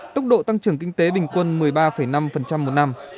tốc độ tăng trưởng kinh tế bình quân một mươi ba năm một năm